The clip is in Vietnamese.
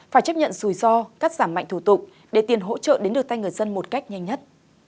phải chấp nhận rủi ro cắt giảm mạnh thủ tục để tiền hỗ trợ đến được tay người dân một cách nhanh nhất